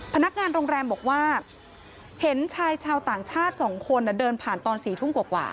พนักงานโรงแรมบอกว่าเห็นชายชาวต่างชาติ๒คนเดินผ่านตอน๔ทุ่มกว่า